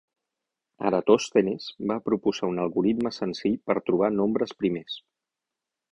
Eratòstenes va proposar un algoritme senzill per trobar nombres primers.